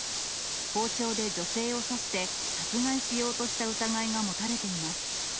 包丁で女性を刺して殺害しようとした疑いが持たれています。